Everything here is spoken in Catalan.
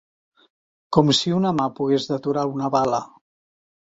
Com si una mà pogués deturar una bala